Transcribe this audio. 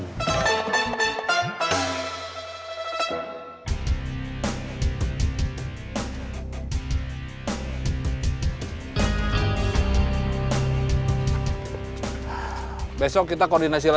aku sudah mencoba untuk mencoba